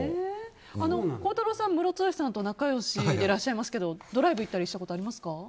孝太郎さん、ムロツヨシさんと仲良しでいらっしゃいますけどドライブに行ったことはありますか？